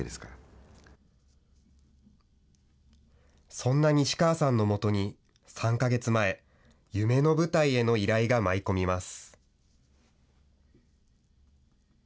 そんな西川さんのもとに、３か月前、夢の舞台への依頼が舞い込みます。